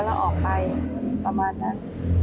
แล้วออกไปประมาณนั้น